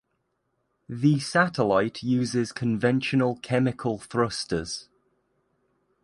The satellite uses conventional chemical thrusters.